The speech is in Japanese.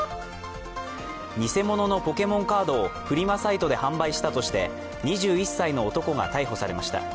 偽物のポケモンカードをフリマサイトで販売したとして２１歳の男が逮捕されました。